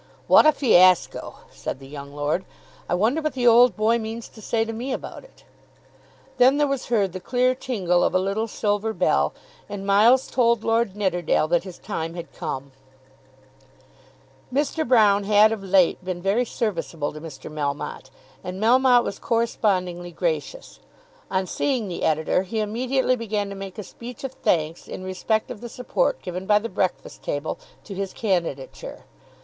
"What a fiasco!" said the young lord, "I wonder what the old boy means to say to me about it." Then there was heard the clear tingle of a little silver bell, and Miles told Lord Nidderdale that his time had come. Mr. Broune had of late been very serviceable to Mr. Melmotte, and Melmotte was correspondingly gracious. On seeing the Editor he immediately began to make a speech of thanks in respect of the support given by the "Breakfast Table" to his candidature.